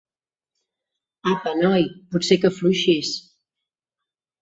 Apa, noi, potser que afluixis!